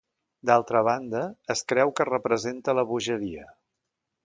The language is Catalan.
D'altra banda, es creu que representa la bogeria.